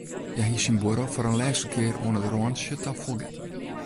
Hja hie syn buorrel foar in lêste kear oan it rântsje ta fol getten.